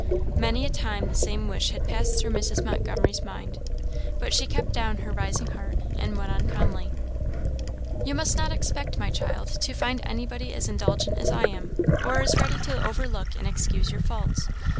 Many a time the same wish had passed through Mrs. Montgomery's mind. But she kept down her rising heart, and went on calmly "You must not expect, my child, to find anybody as indulgent as I am, or as ready to overlook and excuse your faults.